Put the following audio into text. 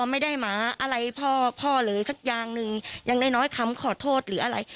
ไม่ได้หมาอะไรพ่อพ่อเลยสักอย่างหนึ่งอย่างน้อยน้อยคำขอโทษหรืออะไร